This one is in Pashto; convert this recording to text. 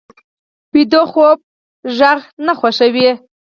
ویده خوب غږ نه خوښوي